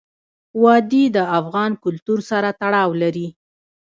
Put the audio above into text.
وادي د افغان کلتور سره تړاو لري.